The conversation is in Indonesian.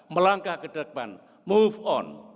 melangkah ke depan move on